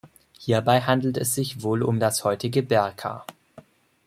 Hierbei handelt es sich wohl um das heutige Berka.